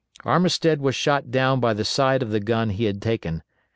* Armistead was shot down by the side of the gun he had taken.